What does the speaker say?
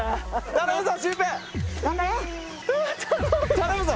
頼むぞ！